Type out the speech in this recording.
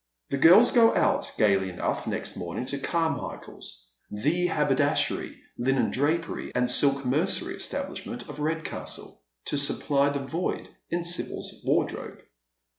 The girls go out gaily enough next morning to Carmichael's, the haberdashery, linendrapery, and silk mercery establishment of Kedcastle, to supply the void in Sibyl's wardrobe.